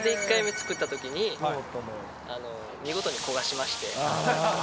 １回目作ったときに、見事に焦がしまして。